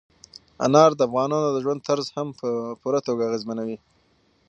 انار د افغانانو د ژوند طرز هم په پوره توګه اغېزمنوي.